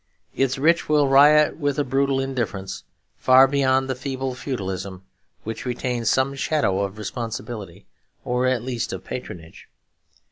Its rich will riot with a brutal indifference far beyond the feeble feudalism which retains some shadow of responsibility or at least of patronage.